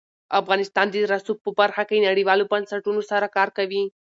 افغانستان د رسوب په برخه کې نړیوالو بنسټونو سره کار کوي.